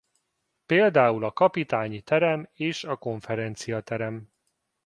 Például a kapitányi terem és a konferenciaterem.